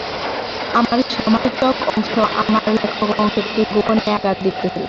আমার সমালোচক অংশ আমার লেখক অংশকে গোপনে আঘাত দিতেছিল।